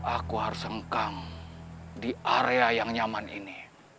aku harus hengkang di area yang nyaman ini